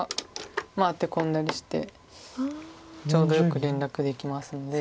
アテ込んだりしてちょうどよく連絡できますので。